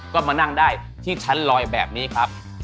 ก็มานั่งได้ที่ชั้นลอยแบบนี้ครับ